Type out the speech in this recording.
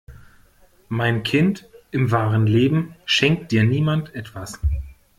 Mein Kind, im wahren Leben schenkt dir niemand etwas.